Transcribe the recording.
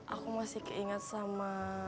aku masih keinget sama